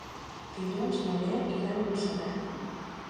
Dilluns na Lea irà a Montserrat.